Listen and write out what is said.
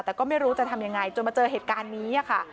แต่ก็ไม่รู้จะทำยังไงจนมาเจอเหตุการณ์นี้ค่ะ